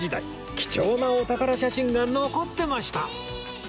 貴重なお宝写真が残ってました！